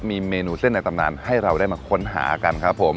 มีเมนูเส้นในตำนานให้เราได้มาค้นหากันครับผม